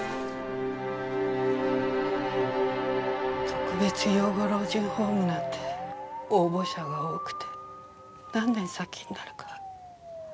特別養護老人ホームなんて応募者が多くて何年先になるか。